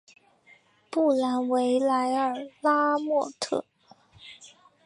布兰维莱尔拉莫特。